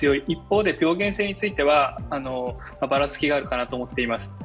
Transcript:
一方で病原性については、ばらつきがあるかなと思っています。